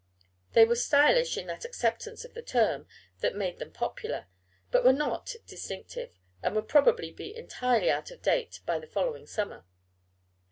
They were stylish in that acceptance of the term that made them popular, but were not distinctive, and would probably be entirely out of date by the following summer.